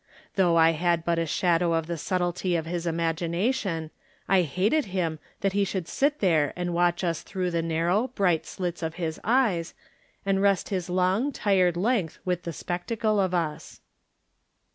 Though I had but a shadow of the subtlety of his imagination, I hated him that he should sit there and watch us through the narrow, bright slits of his eyes, and rest his long, tired length with the spectacle of us.